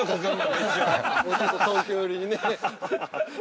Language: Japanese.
◆もうちょっと東京寄りにね。